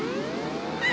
あ！